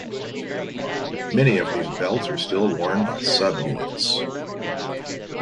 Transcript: Many of these belts are still worn by sub-units.